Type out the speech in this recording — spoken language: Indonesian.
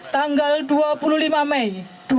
tanggal dua puluh lima mei